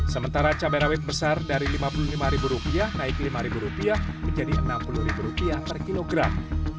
sementara cabai rawit besar dari rp lima puluh lima naik rp lima menjadi rp enam puluh per kilogram